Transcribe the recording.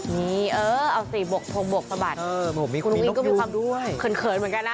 นี่เออเอาสี่บกโทงบกประบัดเออมีคุณอุ้งอิงก็มีความเขินเขินเหมือนกันนะ